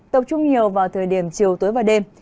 tập trung nhiều vào thời điểm chiều tới vào đêm